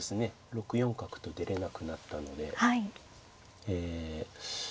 ６四角と出れなくなったのでえ